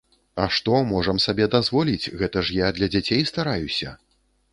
А што, можам сабе дазволіць, гэта ж я для дзяцей стараюся!